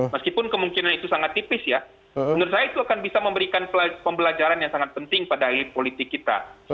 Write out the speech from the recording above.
meskipun kemungkinan itu sangat tipis ya menurut saya itu akan bisa memberikan pembelajaran yang sangat penting pada elit politik kita